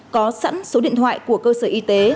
có sẵn số điện thoại của cơ sở y tế